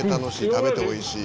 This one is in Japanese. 食べて美味しい。